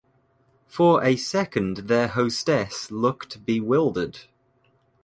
For a second their hostess looked bewildered.